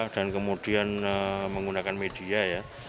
dan kemudian menggunakan media ya